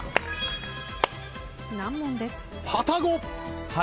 難問です。